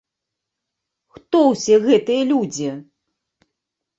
Хто ўсе гэтыя людзі?